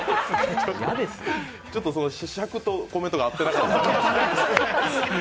ちょっと尺とコメントが合ってなかった。